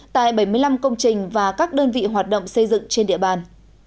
tại bảy mươi năm công trình và các đơn vị hoạt động xây dựng trên địa bàn